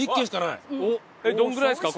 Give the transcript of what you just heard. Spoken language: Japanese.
どれぐらいですか？